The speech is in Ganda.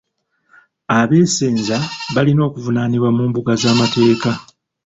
Abeesenza balina okuvunaanibwa mu mbuga z'amateeka.